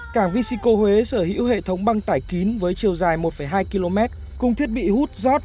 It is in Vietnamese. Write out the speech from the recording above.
cảng vesico huế sở hữu hệ thống băng tải kín với chiều dài một hai km cùng thiết bị hút giót